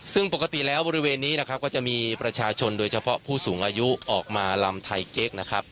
ซึ่งปกติแล้วบริเวณนี้นะครับก็จะมีประชาชนโดยเฉพาะผู้สูงอายุออกมาลำไทยเก๊กนะครับ